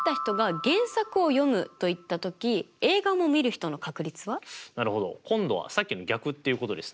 じゃあ今度はなるほど今度はさっきの逆っていうことですね。